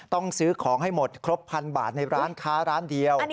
ต้องซื้อของให้หมดครบพันบาทในร้านค้าร้านเดียว